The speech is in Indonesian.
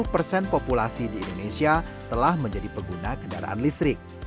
dua puluh persen populasi di indonesia telah menjadi pengguna kendaraan listrik